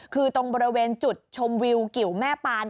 คือตรงบริเวณจุดชมวิวกิวแม่ปาน